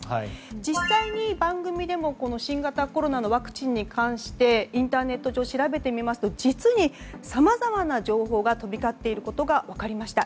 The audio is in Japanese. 実際に番組でも新型コロナのワクチンについてインターネット上調べてみますと実にさまざまな情報が飛び交っていることが分かりました。